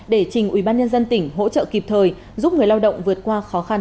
để trình ubnd tỉnh hỗ trợ kịp thời giúp người lao động vượt qua khó khăn